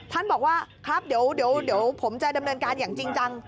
ท่านบอกว่าครับเดี๋ยวผมจะดำเนินการอย่างจริงจัง